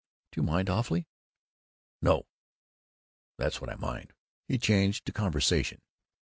"Do you mind awfully?" "No! That's what I mind!" He changed to conversation.